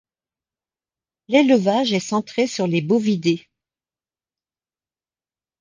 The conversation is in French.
L'élevage est centré sur les bovidés.